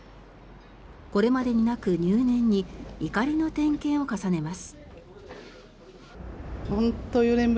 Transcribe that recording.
これまでになく入念にいかりの点検を重ねます。